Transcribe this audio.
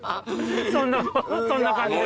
そんな感じです。